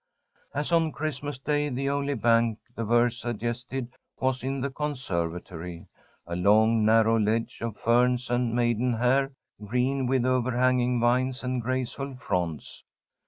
As on Christmas Day, the only bank the verse suggested was in the conservatory, a long, narrow ledge of ferns and maidenhair, green with overhanging vines and graceful fronds.